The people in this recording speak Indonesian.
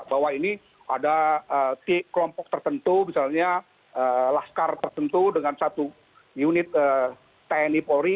bahwa ini ada kelompok tertentu misalnya laskar tertentu dengan satu unit tni polri